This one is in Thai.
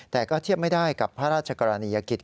แต่ก็เทียบไม่ได้กับพระราชกรณียกิจ